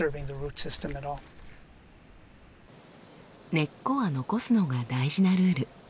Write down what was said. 根っこは残すのが大事なルール。